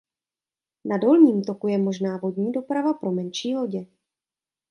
Na dolním toku je možná vodní doprava pro menší lodě.